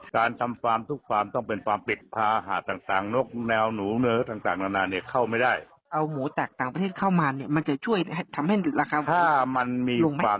การทำฟาร์มทุกฟาร์มต้องเป็นฟาร์มติดพาหาต่างนกแนวหนูเนื้อต่างนานเข้าไม่ได้